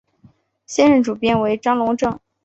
现任主编为张珑正。